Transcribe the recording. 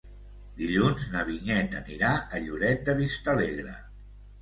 Dilluns na Vinyet anirà a Lloret de Vistalegre.